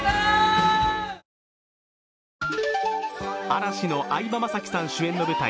嵐の相葉雅紀さん主演の舞台